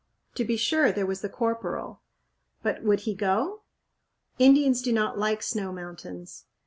To be sure, there was the corporal but would he go? Indians do not like snow mountains.